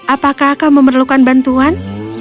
apakah kau memerlukan bantuan